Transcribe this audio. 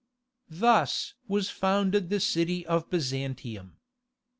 Thus was founded the city of Byzantium.